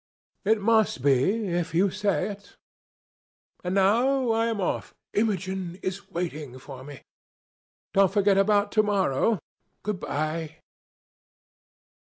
"It must be, if you say it. And now I am off. Imogen is waiting for me. Don't forget about to morrow. Good bye."